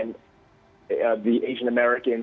dan bagaimana kita merasa